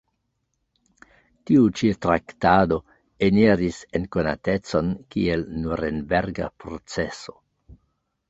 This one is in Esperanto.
Tiu ĉi traktado eniris en konatecon kiel Nurenberga proceso.